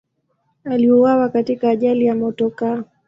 Aliuawa katika ajali ya motokaa.